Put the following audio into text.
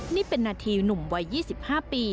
นี่เป็นนาทีหนุ่มวัย๒๕ปี